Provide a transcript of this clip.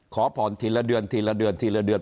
ขอผ่อนทีละเดือนทีละเดือนทีละเดือน